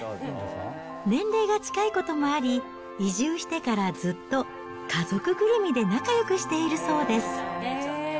年齢が近いこともあり、移住してからずっと家族ぐるみで仲よくしているそうです。